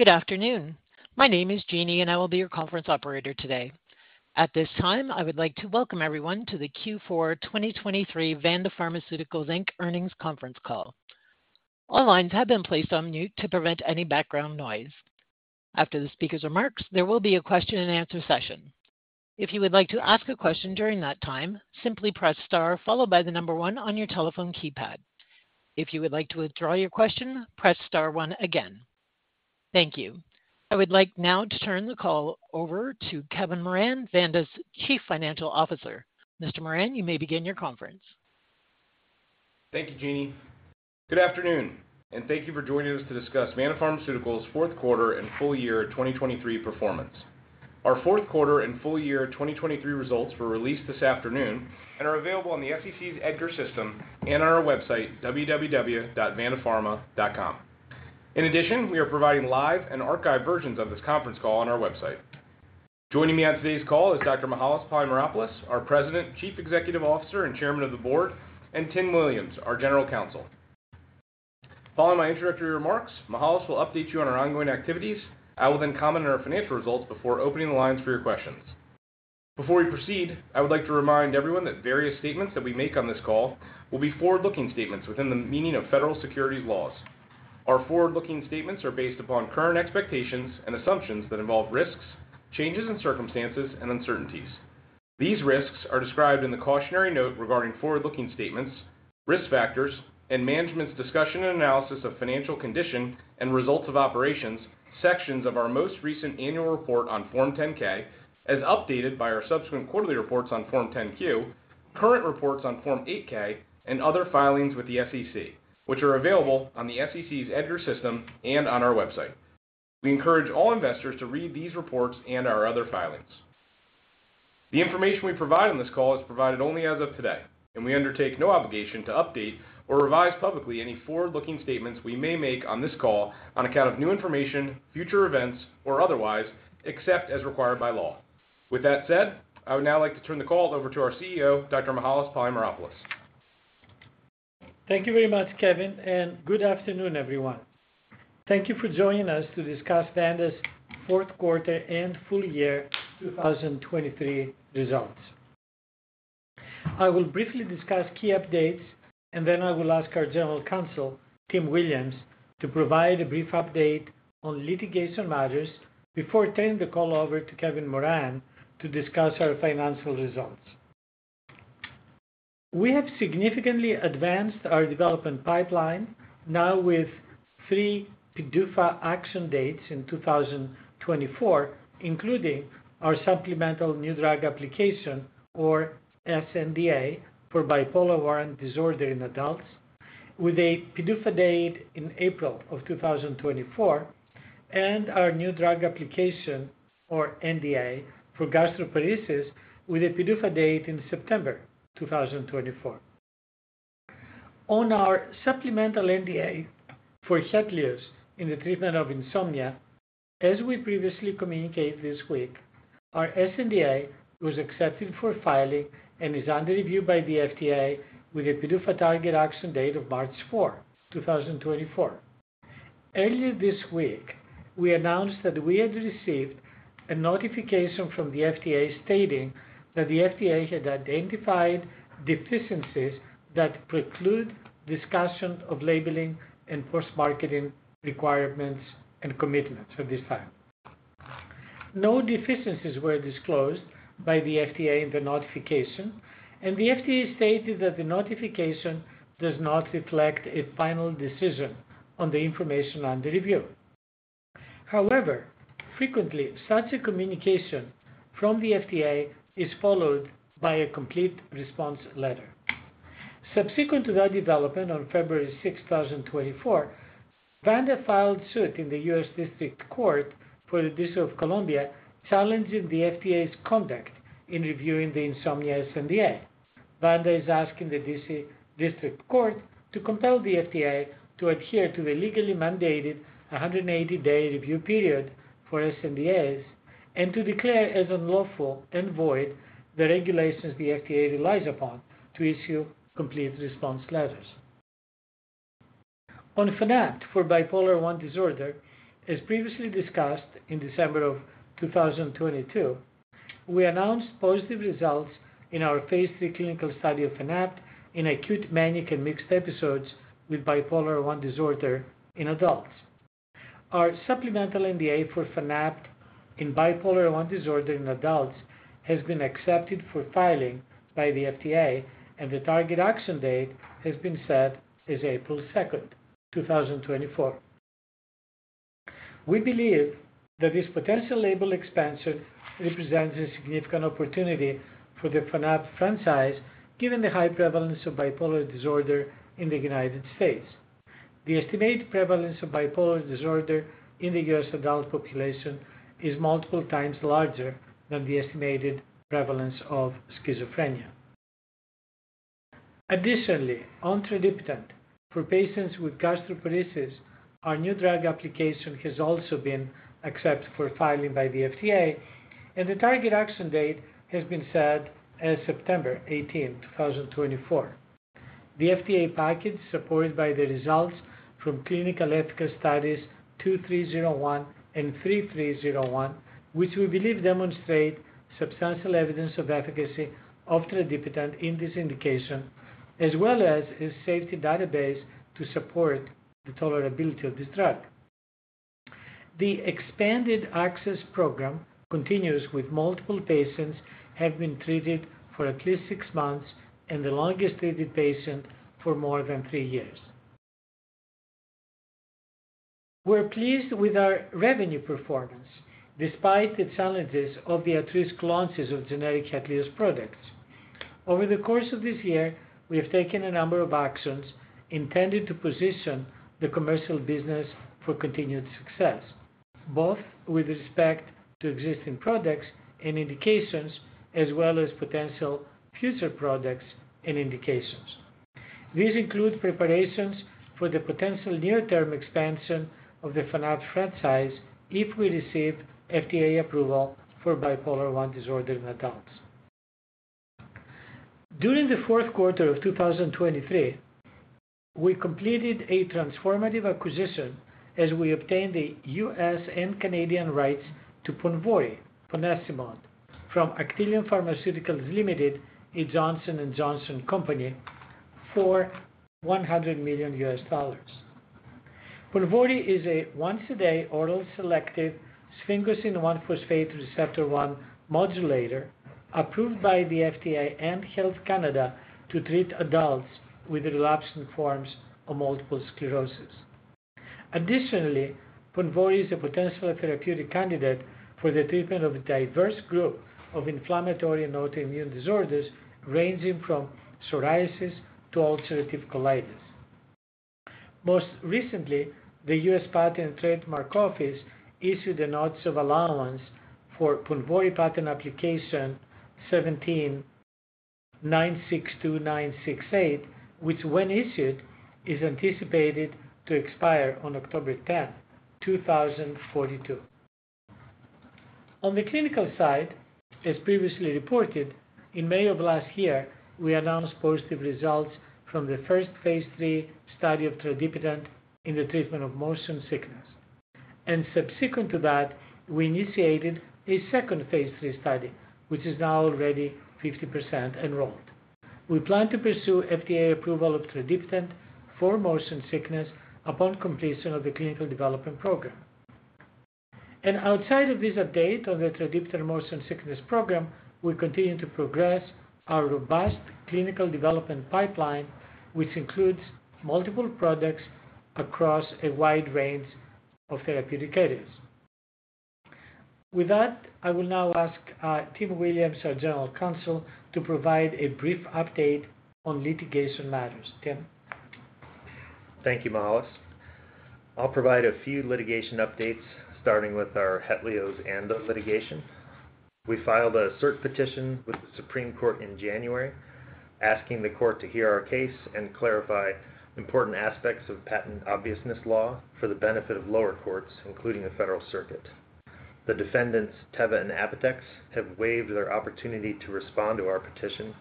Good afternoon. My name is Jeannie, and I will be your conference operator today. At this time, I would like to welcome everyone to the Q4 2023 Vanda Pharmaceuticals Inc. Earnings Conference Call. All lines have been placed on mute to prevent any background noise. After the speaker's remarks, there will be a question and answer session. If you would like to ask a question during that time, simply press star followed by the number one on your telephone keypad. If you would like to withdraw your question, press star one again. Thank you. I would like now to turn the call over to Kevin Moran, Vanda's Chief Financial Officer. Mr. Moran, you may begin your conference. Thank you, Jeannie. Good afternoon, and thank you for joining us to discuss Vanda Pharmaceuticals' fourth quarter and full year 2023 performance. Our fourth quarter and full year 2023 results were released this afternoon and are available on the SEC's EDGAR system and on our website, www.vandapharma.com. In addition, we are providing live and archived versions of this conference call on our website. Joining me on today's call is Dr. Mihael Polymeropoulos, our President, Chief Executive Officer, and Chairman of the Board, and Tim Williams, our General Counsel. Following my introductory remarks, Mihael will update you on our ongoing activities. I will then comment on our financial results before opening the lines for your questions. Before we proceed, I would like to remind everyone that various statements that we make on this call will be forward-looking statements within the meaning of federal securities laws. Our forward-looking statements are based upon current expectations and assumptions that involve risks, changes in circumstances, and uncertainties. These risks are described in the cautionary note regarding forward-looking statements, risk factors, and management's discussion and analysis of financial condition and results of operations, sections of our most recent annual report on Form 10-K, as updated by our subsequent quarterly reports on Form 10-Q, current reports on Form 8-K, and other filings with the SEC, which are available on the SEC's EDGAR system and on our website. We encourage all investors to read these reports and our other filings. The information we provide on this call is provided only as of today, and we undertake no obligation to update or revise publicly any forward-looking statements we may make on this call on account of new information, future events, or otherwise, except as required by law. With that said, I would now like to turn the call over to our CEO, Dr. Mihael Polymeropoulos. Thank you very much, Kevin, and good afternoon, everyone. Thank you for joining us to discuss Vanda's fourth quarter and full year 2023 results. I will briefly discuss key updates, and then I will ask our General Counsel, Tim Williams, to provide a brief update on litigation matters before turning the call over to Kevin Moran to discuss our financial results. We have significantly advanced our development pipeline, now with three PDUFA action dates in 2024, including our supplemental new drug application, or sNDA, for bipolar I disorder in adults with a PDUFA date in April 2024, and our new drug application, or NDA, for gastroparesis, with a PDUFA date in September 2024. On our supplemental NDA for HETLIOZ in the treatment of insomnia, as we previously communicated this week, our sNDA was accepted for filing and is under review by the FDA with a PDUFA target action date of March 4, 2024. Earlier this week, we announced that we had received a notification from the FDA stating that the FDA had identified deficiencies that preclude discussion of labeling and post-marketing requirements and commitments at this time. No deficiencies were disclosed by the FDA in the notification, and the FDA stated that the notification does not reflect a final decision on the information under review. However, frequently, such a communication from the FDA is followed by a complete response letter. Subsequent to that development, on February 6, 2024, Vanda filed suit in the U.S. District Court for the District of Columbia, challenging the FDA's conduct in reviewing the insomnia sNDA. Vanda is asking the D.C. District Court to compel the FDA to adhere to the legally mandated 180-day review period for sNDAs and to declare as unlawful and void the regulations the FDA relies upon to issue complete response letters. On Fanapt for bipolar I disorder, as previously discussed in December 2022, we announced positive results in our phase 3 clinical study of Fanapt in acute manic and mixed episodes with bipolar I disorder in adults. Our supplemental NDA for Fanapt in bipolar I disorder in adults has been accepted for filing by the FDA, and the target action date has been set as April 2, 2024. We believe that this potential label expansion represents a significant opportunity for the Fanapt franchise, given the high prevalence of bipolar disorder in the United States. The estimated prevalence of bipolar disorder in the U.S. adult population is multiple times larger than the estimated prevalence of schizophrenia. Additionally, on tradipitant for patients with gastroparesis, our new drug application has also been accepted for filing by the FDA, and the target action date has been set as September 18, 2024. The FDA package, supported by the results from clinical efficacy studies 2301 and 3301, which we believe demonstrate substantial evidence of efficacy of tradipitant in this indication, as well as a safety database to support the tolerability of this drug. The expanded access program continues, with multiple patients have been treated for at least six months, and the longest treated patient for more than three years. We're pleased with our revenue performance despite the challenges of the at-risk launches of generic HETLIOZ products. Over the course of this year, we have taken a number of actions intended to position the commercial business for continued success, both with respect to existing products and indications, as well as potential future products and indications. These include preparations for the potential near-term expansion of the Fanapt franchise if we receive FDA approval for bipolar I disorder in adults. During the fourth quarter of 2023, we completed a transformative acquisition as we obtained the U.S. and Canadian rights to PONVORY, ponesimod, from Actelion Pharmaceuticals Ltd, a Johnson & Johnson company, for $100 million. PONVORY is a once-a-day oral selective sphingosine-1-phosphate receptor 1 modulator, approved by the FDA and Health Canada to treat adults with relapsing forms of multiple sclerosis. Additionally, PONVORY is a potential therapeutic candidate for the treatment of a diverse group of inflammatory and autoimmune disorders, ranging from psoriasis to ulcerative colitis. Most recently, the U.S. Patent and Trademark Office issued a notice of allowance for PONVORY patent application 17,962,968, which, when issued, is anticipated to expire on October 10, 2042. On the clinical side, as previously reported, in May of last year, we announced positive results from the first phase III study of tradipitant in the treatment of motion sickness. Subsequent to that, we initiated a second phase 3 study, which is now already 50% enrolled. We plan to pursue FDA approval of tradipitant for motion sickness upon completion of the clinical development program. Outside of this update on the tradipitant motion sickness program, we continue to progress our robust clinical development pipeline, which includes multiple products across a wide range of therapeutic areas. With that, I will now ask, Tim Williams, our General Counsel, to provide a brief update on litigation matters. Tim? Thank you, Mihael. I'll provide a few litigation updates, starting with our HETLIOZ litigation. We filed a cert petition with the Supreme Court in January, asking the court to hear our case and clarify important aspects of patent obviousness law for the benefit of lower courts, including the Federal Circuit. The defendants, Teva and Apotex, have waived their opportunity to respond to our petition,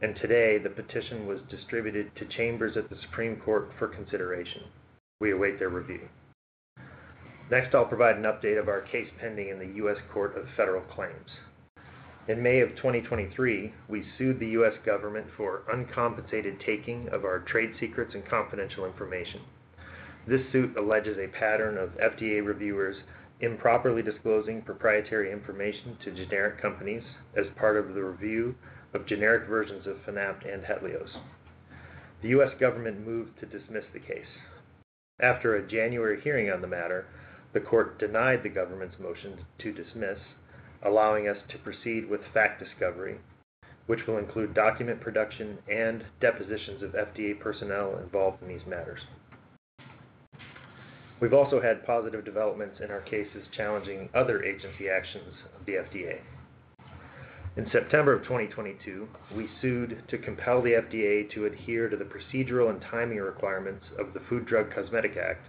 and today the petition was distributed to chambers at the Supreme Court for consideration. We await their review. Next, I'll provide an update of our case pending in the U.S. Court of Federal Claims. In May of 2023, we sued the U.S. government for uncompensated taking of our trade secrets and confidential information. This suit alleges a pattern of FDA reviewers improperly disclosing proprietary information to generic companies as part of the review of generic versions of Fanapt and HETLIOZ. The U.S. government moved to dismiss the case. After a January hearing on the matter, the court denied the government's motion to dismiss, allowing us to proceed with fact discovery, which will include document production and depositions of FDA personnel involved in these matters. We've also had positive developments in our cases challenging other agency actions of the FDA. In September 2022, we sued to compel the FDA to adhere to the procedural and timing requirements of the Food, Drug, and Cosmetic Act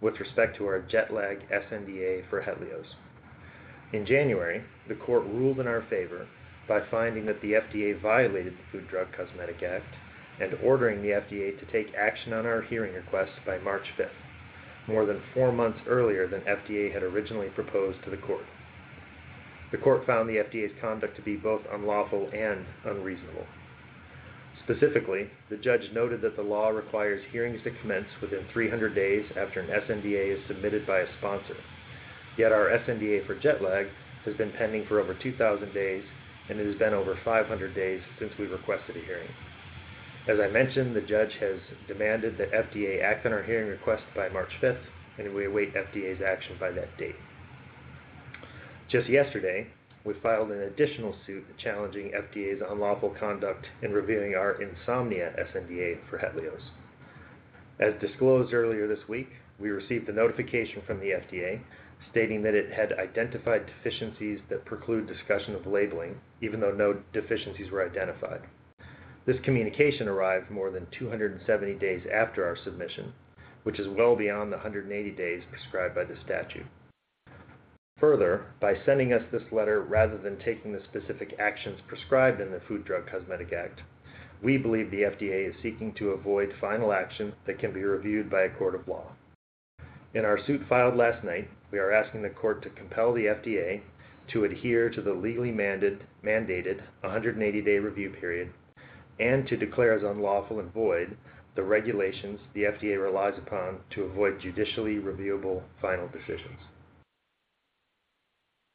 with respect to our jet lag sNDA for HETLIOZ. In January, the court ruled in our favor by finding that the FDA violated the Food, Drug, and Cosmetic Act and ordering the FDA to take action on our hearing request by March 5th, more than four months earlier than FDA had originally proposed to the court. The court found the FDA's conduct to be both unlawful and unreasonable. Specifically, the judge noted that the law requires hearings to commence within 300 days after an sNDA is submitted by a sponsor. Yet our sNDA for jet lag has been pending for over 2,000 days, and it has been over 500 days since we requested a hearing. As I mentioned, the judge has demanded that FDA act on our hearing request by March fifth, and we await FDA's action by that date. Just yesterday, we filed an additional suit challenging FDA's unlawful conduct in reviewing our insomnia sNDA for HETLIOZ. As disclosed earlier this week, we received a notification from the FDA stating that it had identified deficiencies that preclude discussion of labeling, even though no deficiencies were identified. This communication arrived more than 270 days after our submission, which is well beyond the 180 days prescribed by the statute. Further, by sending us this letter rather than taking the specific actions prescribed in the Food, Drug, and Cosmetic Act, we believe the FDA is seeking to avoid final action that can be reviewed by a court of law. In our suit filed last night, we are asking the court to compel the FDA to adhere to the legally mandated, mandated a 180-day review period, and to declare as unlawful and void the regulations the FDA relies upon to avoid judicially reviewable final decisions.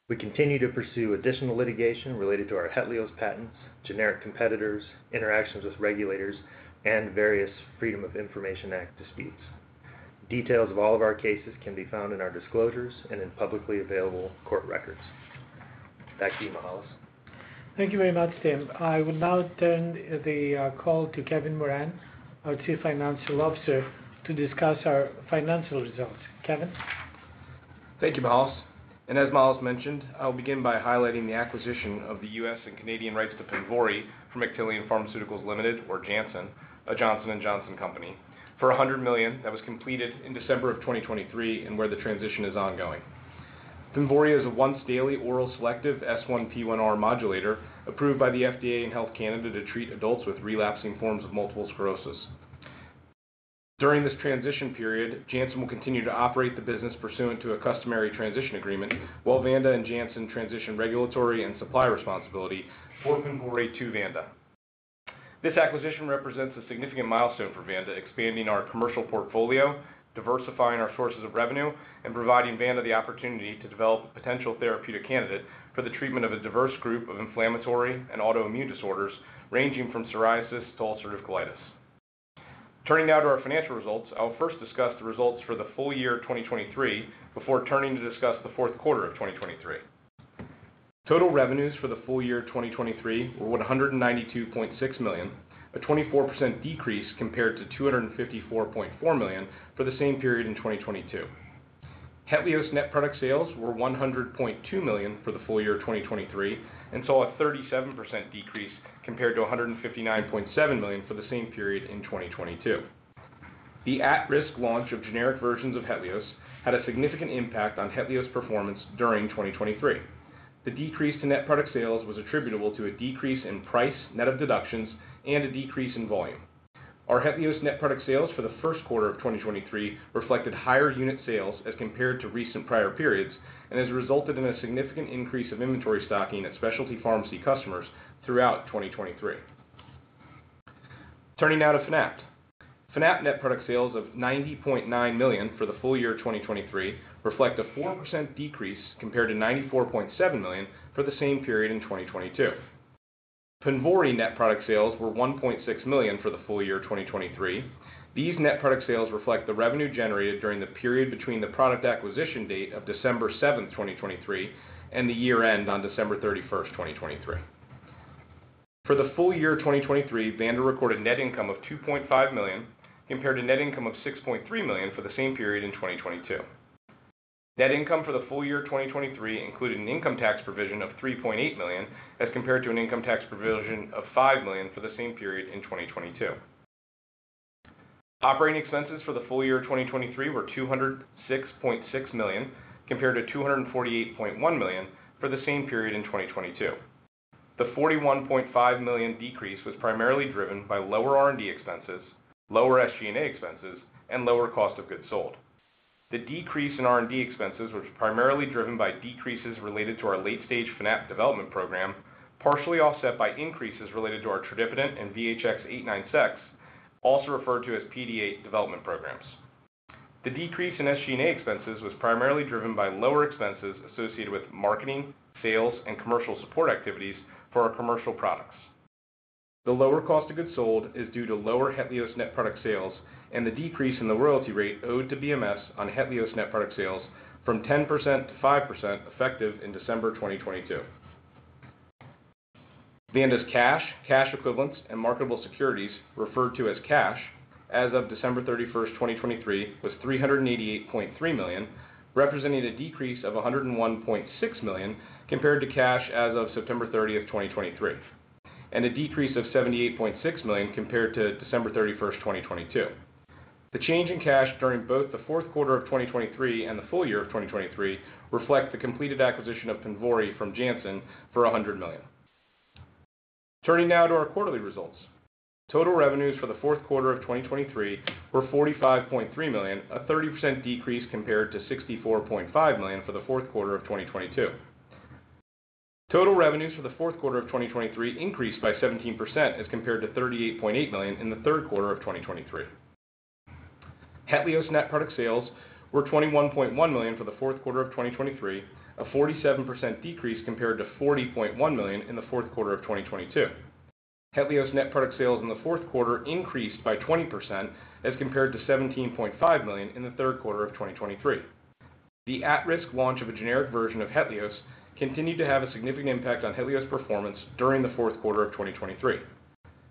We continue to pursue additional litigation related to our HETLIOZ patents, generic competitors, interactions with regulators, and various Freedom of Information Act disputes. Details of all of our cases can be found in our disclosures and in publicly available court records. Back to you, Mihael. Thank you very much, Tim. I will now turn the call to Kevin Moran, our Chief Financial Officer, to discuss our financial results. Kevin? Thank you, Mihaels. And as Mihaels mentioned, I'll begin by highlighting the acquisition of the US and Canadian rights to PONVORY from Actelion Pharmaceuticals Limited or Janssen, a Johnson & Johnson company, for $100 million that was completed in December of 2023, and where the transition is ongoing. PONVORY is a once daily oral selective S1P1 modulator, approved by the FDA and Health Canada to treat adults with relapsing forms of multiple sclerosis. During this transition period, Janssen will continue to operate the business pursuant to a customary transition agreement, while Vanda and Janssen transition regulatory and supply responsibility for PONVORY to Vanda. This acquisition represents a significant milestone for Vanda, expanding our commercial portfolio, diversifying our sources of revenue, and providing Vanda the opportunity to develop a potential therapeutic candidate for the treatment of a diverse group of inflammatory and autoimmune disorders, ranging from psoriasis to ulcerative colitis. Turning now to our financial results, I'll first discuss the results for the full year of 2023 before turning to discuss the fourth quarter of 2023. Total revenues for the full year of 2023 were $192.6 million, a 24% decrease compared to $254.4 million for the same period in 2022. HETLIOZ net product sales were $100.2 million for the full year of 2023, and saw a 37% decrease compared to $159.7 million for the same period in 2022. The at-risk launch of generic versions of HETLIOZ had a significant impact on HETLIOZ performance during 2023. The decrease in net product sales was attributable to a decrease in price net of deductions and a decrease in volume. Our HETLIOZ net product sales for the first quarter of 2023 reflected higher unit sales as compared to recent prior periods, and has resulted in a significant increase of inventory stocking at specialty pharmacy customers throughout 2023. Turning now to Fanapt. Fanapt net product sales of $90.9 million for the full year of 2023 reflect a 4% decrease compared to $94.7 million for the same period in 2022. PONVORY net product sales were $1.6 million for the full year of 2023. These net product sales reflect the revenue generated during the period between the product acquisition date of December 7, 2023, and the year-end on December 31st, 2023. For the full year of 2023, Vanda recorded net income of $2.5 million, compared to net income of $6.3 million for the same period in 2022. Net income for the full year of 2023 included an income tax provision of $3.8 million, as compared to an income tax provision of $5 million for the same period in 2022. Operating expenses for the full year of 2023 were $206.6 million, compared to $248.1 million for the same period in 2022. The $41.5 million decrease was primarily driven by lower R&D expenses, lower SG&A expenses, and lower cost of goods sold. The decrease in R&D expenses were primarily driven by decreases related to our late-stage Fanapt development program, partially offset by increases related to our tradipitant and VHX-896, also referred to as PD8 development programs. The decrease in SG&A expenses was primarily driven by lower expenses associated with marketing, sales, and commercial support activities for our commercial products. The lower cost of goods sold is due to lower HETLIOZ net product sales and the decrease in the royalty rate owed to BMS on HETLIOZ net product sales from 10% to 5%, effective in December 2022. Vanda's cash, cash equivalents, and marketable securities referred to as cash as of December 31st, 2023, was $388.3 million, representing a decrease of $101.6 million compared to cash as of September 30th, 2023, and a decrease of $78.6 million compared to December 31st, 2022. The change in cash during both the fourth quarter of 2023 and the full year of 2023 reflect the completed acquisition of PONVORY from Janssen for $100 million. Turning now to our quarterly results. Total revenues for the fourth quarter of 2023 were $45.3 million, a 30% decrease compared to $64.5 million for the fourth quarter of 2022. Total revenues for the fourth quarter of 2023 increased by 17% as compared to $38.8 million in the third quarter of 2023. HETLIOZ net product sales were $21.1 million for the fourth quarter of 2023, a 47% decrease compared to $40.1 million in the fourth quarter of 2022. HETLIOZ net product sales in the fourth quarter increased by 20% as compared to $17.5 million in the third quarter of 2023. The at-risk launch of a generic version of HETLIOZ continued to have a significant impact on HETLIOZ performance during the fourth quarter of 2023.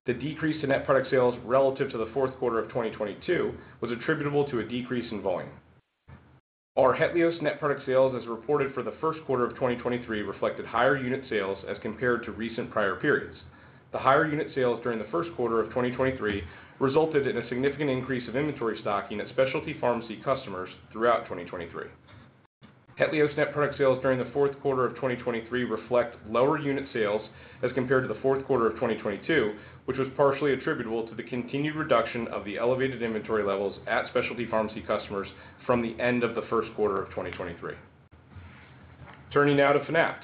The decrease to net product sales relative to the fourth quarter of 2022 was attributable to a decrease in volume. Our HETLIOZ net product sales, as reported for the first quarter of 2023, reflected higher unit sales as compared to recent prior periods. The higher unit sales during the first quarter of 2023 resulted in a significant increase of inventory stocking at specialty pharmacy customers throughout 2023. HETLIOZ net product sales during the fourth quarter of 2023 reflect lower unit sales as compared to the fourth quarter of 2022, which was partially attributable to the continued reduction of the elevated inventory levels at specialty pharmacy customers from the end of the first quarter of 2023. Turning now to Fanapt.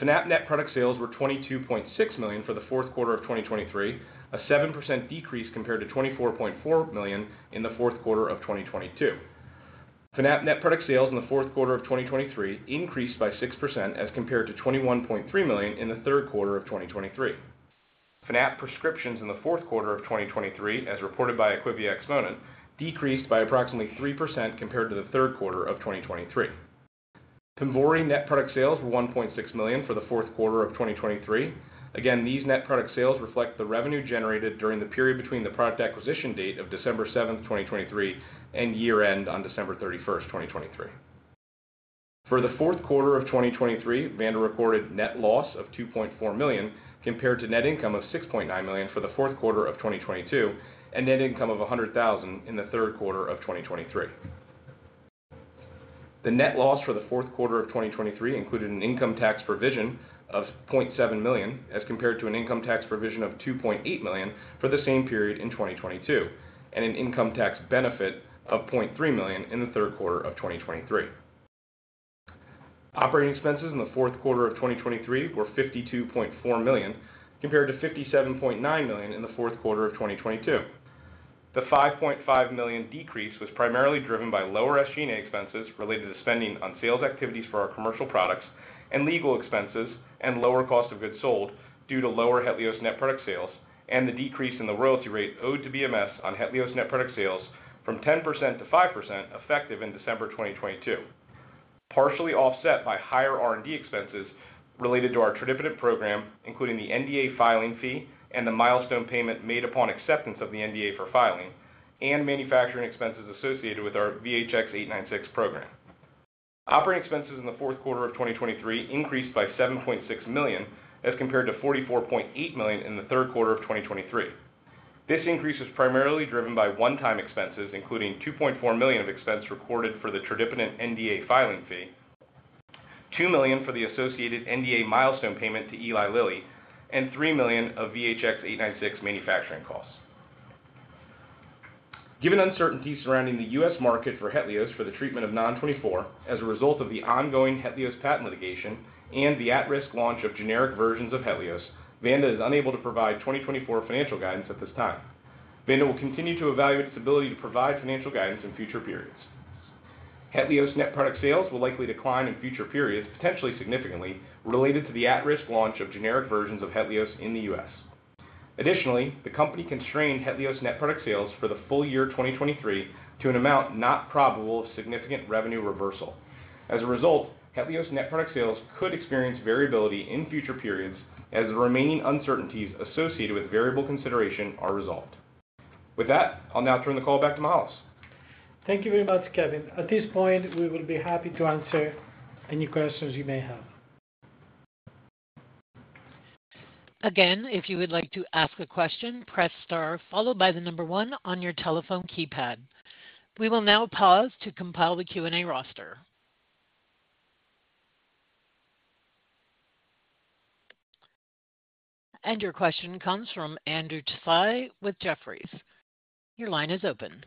Fanapt net product sales were $22.6 million for the fourth quarter of 2023, a 7% decrease compared to $24.4 million in the fourth quarter of 2022. Fanapt net product sales in the fourth quarter of 2023 increased by 6% as compared to $21.3 million in the third quarter of 2023. Fanapt prescriptions in the fourth quarter of 2023, as reported by IQVIA Xponent, decreased by approximately 3% compared to the third quarter of 2023. PONVORY net product sales were $1.6 million for the fourth quarter of 2023. Again, these net product sales reflect the revenue generated during the period between the product acquisition date of December 7th, 2023, and year-end on December 31st, 2023. For the fourth quarter of 2023, Vanda recorded net loss of $2.4 million, compared to net income of $6.9 million for the fourth quarter of 2022, and net income of $100,000 in the third quarter of 2023. The net loss for the fourth quarter of 2023 included an income tax provision of $0.7 million, as compared to an income tax provision of $2.8 million for the same period in 2022, and an income tax benefit of $0.3 million in the third quarter of 2023. Operating expenses in the fourth quarter of 2023 were $52.4 million, compared to $57.9 million in the fourth quarter of 2022. The $5.5 million decrease was primarily driven by lower SG&A expenses related to spending on sales activities for our commercial products and legal expenses, and lower cost of goods sold due to lower HETLIOZ net product sales, and the decrease in the royalty rate owed to BMS on HETLIOZ net product sales from 10% to 5%, effective in December 2022. Partially offset by higher R&D expenses related to our tradipitant program, including the NDA filing fee and the milestone payment made upon acceptance of the NDA for filing, and manufacturing expenses associated with our VHX-896 program. Operating expenses in the fourth quarter of 2023 increased by $7.6 million, as compared to $44.8 million in the third quarter of 2023. This increase is primarily driven by one-time expenses, including $2.4 million of expense recorded for the tradipitant NDA filing fee, $2 million for the associated NDA milestone payment to Eli Lilly, and $3 million of VHX-896 manufacturing costs. Given uncertainty surrounding the U.S. market for HETLIOZ for the treatment of Non-24, as a result of the ongoing HETLIOZ patent litigation and the at-risk launch of generic versions of HETLIOZ, Vanda is unable to provide 2024 financial guidance at this time. Vanda will continue to evaluate its ability to provide financial guidance in future periods. HETLIOZ net product sales will likely decline in future periods, potentially significantly, related to the at-risk launch of generic versions of HETLIOZ in the U.S. Additionally, the company constrained HETLIOZ net product sales for the full year 2023 to an amount not probable of significant revenue reversal. As a result, HETLIOZ net product sales could experience variability in future periods as the remaining uncertainties associated with variable consideration are resolved. With that, I'll now turn the call back to Mihaels. Thank you very much, Kevin. At this point, we will be happy to answer any questions you may have. Again, if you would like to ask a question, press star, followed by the number one on your telephone keypad. We will now pause to compile the Q&A roster. Your question comes from Andrew Tsai with Jefferies. Your line is open.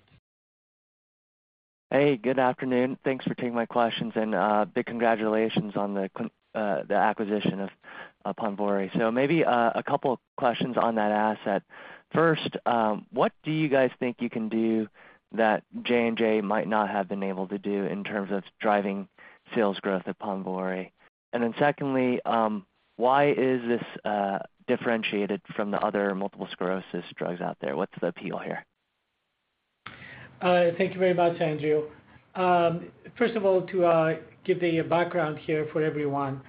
Hey, good afternoon. Thanks for taking my questions, and big congratulations on the acquisition of PONVORY. So maybe a couple of questions on that asset. First, what do you guys think you can do that J&J might not have been able to do in terms of driving sales growth at PONVORY? And then secondly, why is this differentiated from the other multiple sclerosis drugs out there? What's the appeal here? Thank you very much, Andrew. First of all, to give the background here for everyone,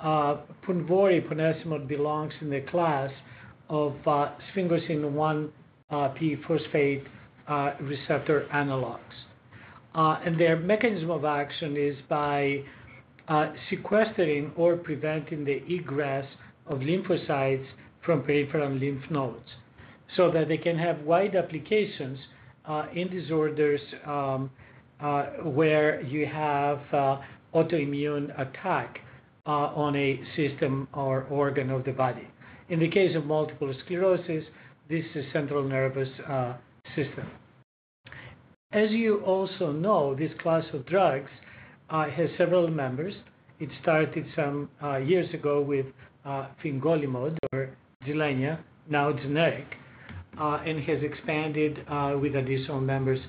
PONVORY ponesimod belongs in the class of sphingosine-1-phosphate receptor analogues. And their mechanism of action is by sequestering or preventing the egress of lymphocytes from lymph nodes, so that they can have wide applications in disorders where you have autoimmune attack on a system or organ of the body. In the case of multiple sclerosis, this is central nervous system. As you also know, this class of drugs has several members. It started some years ago with fingolimod or Gilenya, now generic, and has expanded with additional members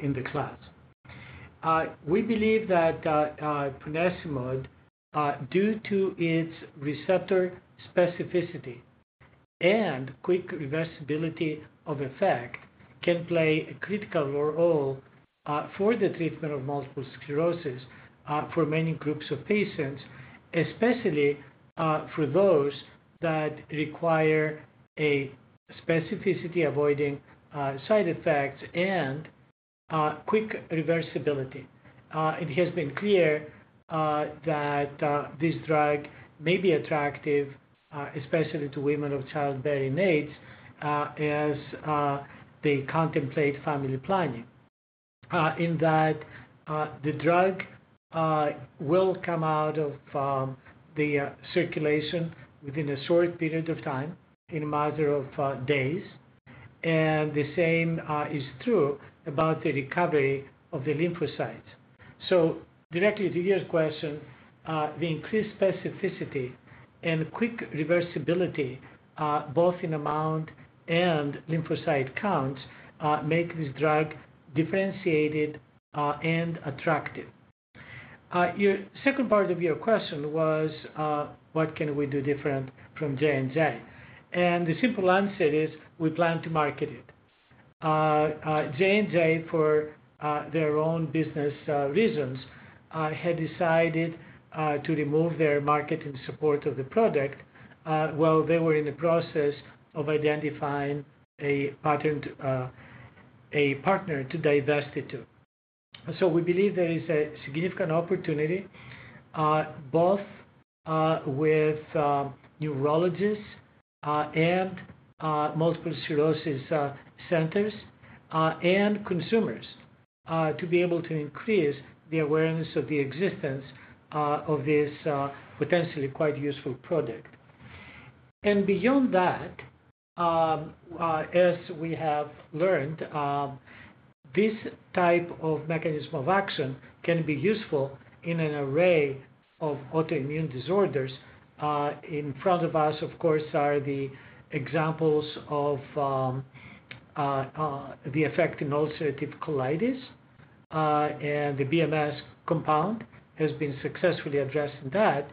in the class. We believe that ponesimod, due to its receptor specificity and quick reversibility of effect, can play a critical role for the treatment of multiple sclerosis for many groups of patients, especially for those that require a specificity avoiding side effects and quick reversibility. It has been clear that this drug may be attractive, especially to women of childbearing age, as they contemplate family planning. In that, the drug will come out of the circulation within a short period of time, in a matter of days, and the same is true about the recovery of the lymphocytes. So directly to your question, the increased specificity and quick reversibility, both in amount and lymphocyte counts, make this drug differentiated and attractive. Your second part of your question was, what can we do different from J&J? And the simple answer is, we plan to market it. J&J, for their own business reasons, had decided to remove their marketing support of the product, while they were in the process of identifying a potential partner to divest it to. So we believe there is a significant opportunity both with neurologists and multiple sclerosis centers and consumers to be able to increase the awareness of the existence of this potentially quite useful product. And beyond that, as we have learned, this type of mechanism of action can be useful in an array of autoimmune disorders. In front of us, of course, are the examples of the effect in ulcerative colitis, and the BMS compound has been successfully addressed in that,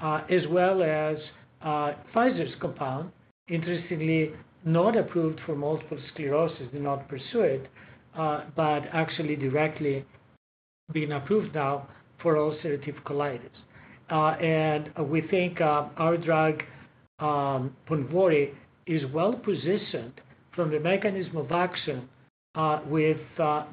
as well as Pfizer's compound, interestingly, not approved for multiple sclerosis, did not pursue it, but actually directly being approved now for ulcerative colitis. And we think our drug, PONVORY, is well-positioned from the mechanism of action, with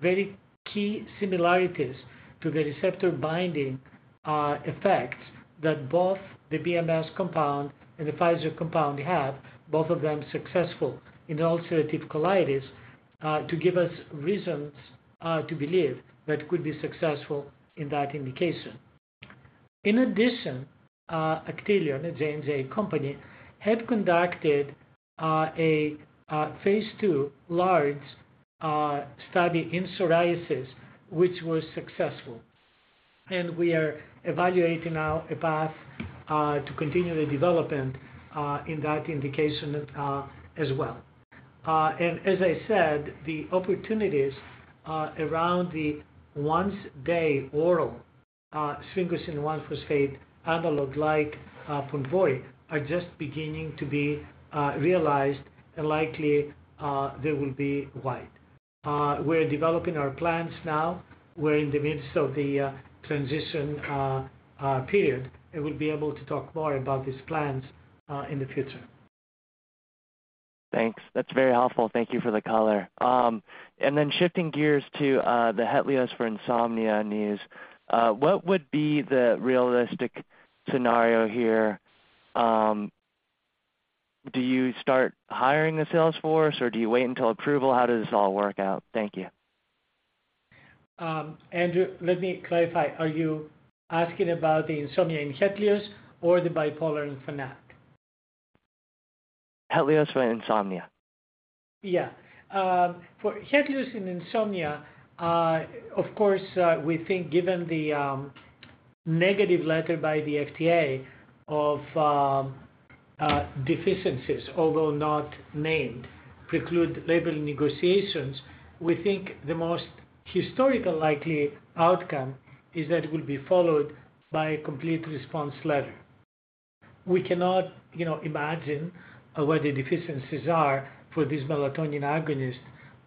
very key similarities to the receptor binding effects that both the BMS compound and the Pfizer compound have, both of them successful in ulcerative colitis, to give us reasons to believe that it could be successful in that indication. In addition, Actelion, a J&J company, had conducted a phase two large study in psoriasis, which was successful. We are evaluating now a path to continue the development in that indication as well. As I said, the opportunities around the once-a-day oral sphingosine 1-phosphate analog like PONVORY are just beginning to be realized, and likely they will be wide. We're developing our plans now. We're in the midst of the transition period, and we'll be able to talk more about these plans in the future. Thanks. That's very helpful. Thank you for the color. And then shifting gears to the HETLIOZ for insomnia news. What would be the realistic scenario here? Do you start hiring the sales force, or do you wait until approval? How does this all work out? Thank you. Andrew, let me clarify. Are you asking about the insomnia in HETLIOZ or the bipolar in Fanapt? HETLIOZ for insomnia. Yeah. For HETLIOZ in insomnia, of course, we think given the negative letter by the FDA of deficiencies, although not named, preclude labeling negotiations, we think the most historical likely outcome is that it will be followed by a complete response letter. We cannot, you know, imagine what the deficiencies are for this melatonin agonist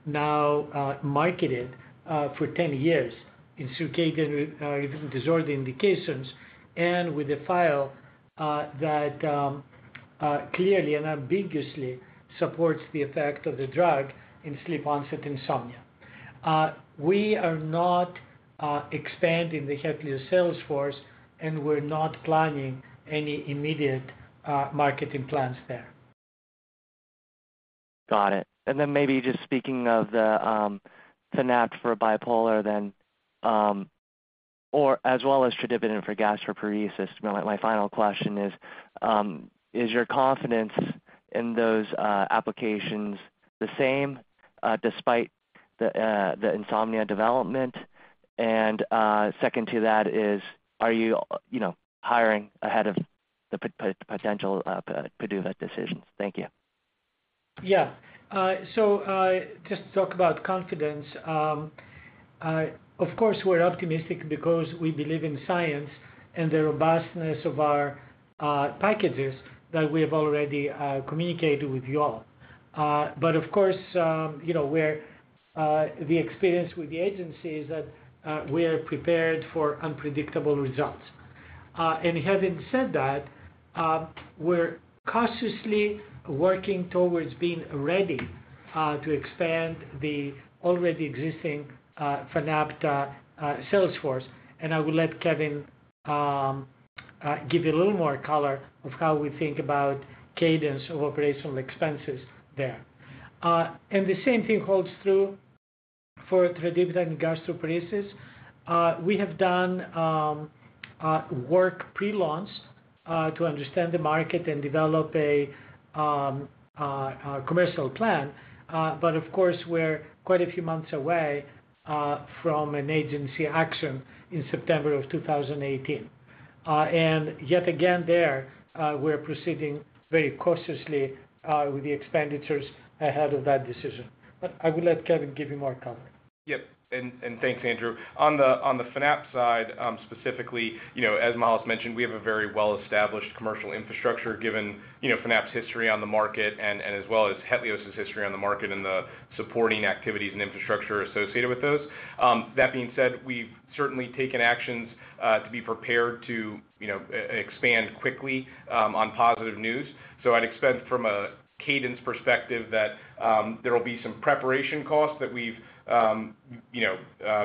now, marketed for 10 years in circadian rhythm disorder indications and with a file that clearly and unambiguously supports the effect of the drug in sleep onset insomnia. We are not expanding the HETLIOZ sales force, and we're not planning any immediate marketing plans there. Got it. And then maybe just speaking of the Fanapt for bipolar then, or as well as tradipitant for gastroparesis. My final question is, is your confidence in those applications the same, despite the insomnia development? And second to that is, are you, you know, hiring ahead of the potential PDUFA decisions? Thank you. Yeah. So, just to talk about confidence, of course, we're optimistic because we believe in science and the robustness of our packages that we have already communicated with you all. But of course, you know, we're, the experience with the agency is that we are prepared for unpredictable results. And having said that, we're cautiously working towards being ready to expand the already existing Fanapt sales force. And I will let Kevin give you a little more color of how we think about cadence of operational expenses there. And the same thing holds true for tradipitant and gastroparesis. We have done work pre-launch to understand the market and develop a commercial plan. Of course, we're quite a few months away from an agency action in September 2018. Yet again there, we're proceeding very cautiously with the expenditures ahead of that decision. But I will let Kevin give you more color. Yep, and thanks, Andrew. On the Fanapt side, specifically, you know, as Miles mentioned, we have a very well-established commercial infrastructure, given, you know, Fanapt's history on the market and as well as HETLIOZ's history on the market and the supporting activities and infrastructure associated with those. That being said, we've certainly taken actions to be prepared to, you know, expand quickly on positive news. So I'd expect from a cadence perspective that there will be some preparation costs that we've, you know,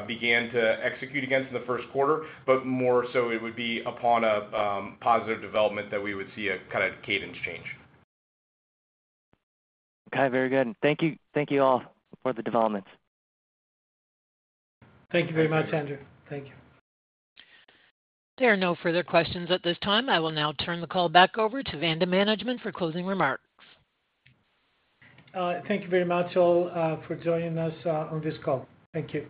began to execute against in the first quarter, but more so it would be upon a positive development that we would see a kind of cadence change. Okay, very good. Thank you. Thank you all for the developments. Thank you very much, Andrew. Thank you. There are no further questions at this time. I will now turn the call back over to Vanda management for closing remarks. Thank you very much, all, for joining us, on this call. Thank you.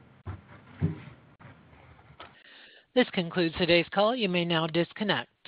This concludes today's call. You may now disconnect.